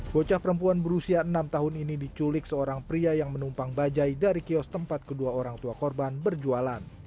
bocah perempuan berusia enam tahun ini diculik seorang pria yang menumpang bajai dari kios tempat kedua orang tua korban berjualan